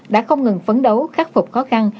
đã không ngừng phấn đấu khắc phục khó khăn